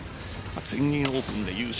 全英オープンで優勝。